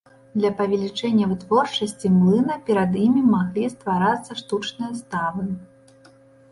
Для павялічэння вытворчасці млына перад імі маглі стварацца штучныя ставы.